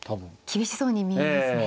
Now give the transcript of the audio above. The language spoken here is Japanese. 厳しそうに見えますね。